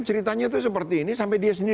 ceritanya itu seperti ini sampai dia sendiri